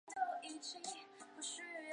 韩国海军在此设有军港设施和航空基地。